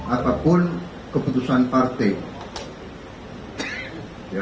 apapun keputusan partai